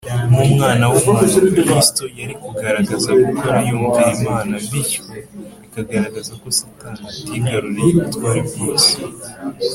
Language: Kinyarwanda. . Nk’Umwana w’umuntu, Kristo yari kugaragaza gukora yumvira Imana. Bityo bikagaragaza ko Satani atigaruriye ubutware bwose ku nyokomuntu